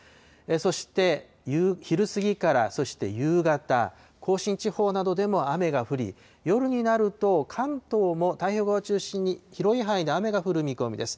そして昼過ぎから、そして夕方、甲信地方などでも雨が降り、夜になると、関東も太平洋側を中心に、広い範囲で雨が降る見込みです。